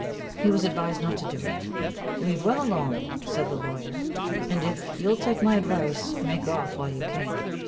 He was advised not to do it. "Leave well alone," said the lawyer; "and if you'll take my advice, make off while you can."